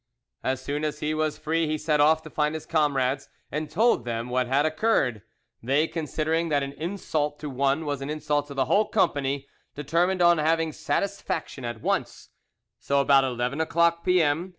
As soon as he was free he set off to find his comrades, and told them what had occurred: they, considering that an insult to one was an insult to the whole company, determined on having satisfaction at once, so about eleven o'clock P.M.